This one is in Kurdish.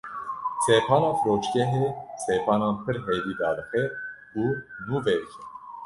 Sepana firoşgehê sepanan pir hêdî dadixe û nûve dike.